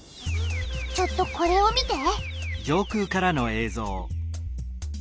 ちょっとこれを見て。